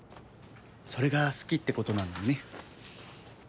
それが好きってことなのね。